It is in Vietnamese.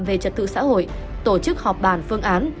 về trật tự xã hội tổ chức họp bàn phương án